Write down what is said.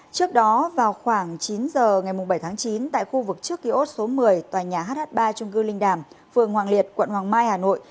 trước đó vào khoảng chín giờ ngày bảy tháng chín tại khu vực trước ký ốt số một mươi tòa nhà hh ba trung cư linh đàm phường hoàng liệt quận hoàng mai hà nội